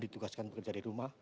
ditugaskan bekerja dari rumah